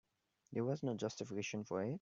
There was no justification for it.